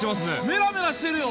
メラメラしてるよ！